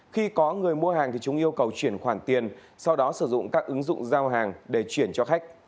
khi có người mua hàng thì chúng yêu cầu chuyển khoản tiền sau đó sử dụng các ứng dụng giao hàng để chuyển cho khách